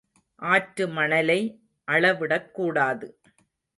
ஆற்று மணலை அளவிடக் கூடாது.